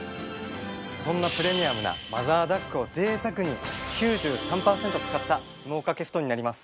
そんなプレミアムなマザーダックを贅沢に９３パーセント使った羽毛掛け布団になります。